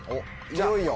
いよいよ。